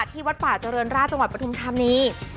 ที่วัดป่าเจริญราชจังหวัดปทุมธานี